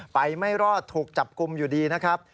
ไม่รอดถูกจับกลุ่มอยู่ดีนะครับ